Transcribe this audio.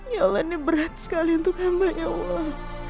ya allah ini berat sekali untuk hamba ya allah